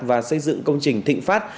và xây dựng công trình thịnh phát